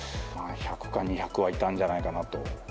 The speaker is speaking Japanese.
１００か２００はいたんじゃないかなと。